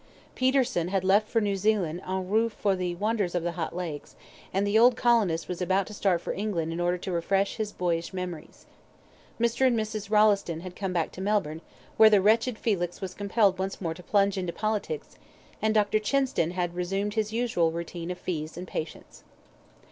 Peterson had left for New Zealand EN ROUTE for the wonders of the Hot Lakes, and the old colonist was about to start for England in order to refresh his boyish memories. Mr. and Mrs. Rolleston had come back to Melbourne, where the wretched Felix was compelled once more to plunge into politics; and Dr. Chinston had resumed his usual routine of fees and patients.